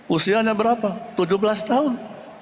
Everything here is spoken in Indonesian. usianya berapa tujuh belas tahun